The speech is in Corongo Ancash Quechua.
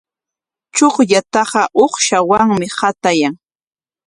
Chukllataqa uqshawanmi qatayan.